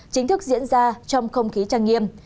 chính thức diễn ra trong không khí trang nghiêm